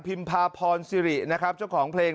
พาพรสิรินะครับเจ้าของเพลง